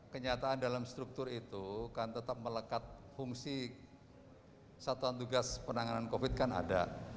kenyataan dalam struktur itu kan tetap melekat fungsi satuan tugas penanganan covid kan ada